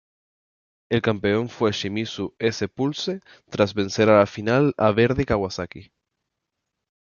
El campeón fue Shimizu S-Pulse, tras vencer en la final a Verdy Kawasaki.